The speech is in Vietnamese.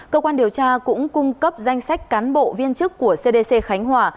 cơ quan điều tra cũng cung cấp danh sách cán bộ viên chức của cdc khánh hòa